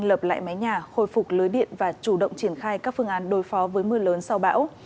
lập lại mái nhà khôi phục lưới điện và chủ động triển khai các phương án đối phó với mưa lớn sau bão